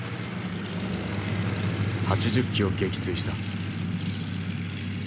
８０機を撃墜した。